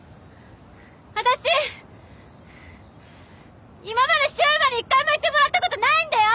私はぁ今まで柊磨に１回も言ってもらったことないんだよ。